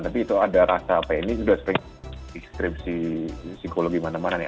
tapi itu ada rasa apa ya ini udah sering deskripsi psikologi mana mana nih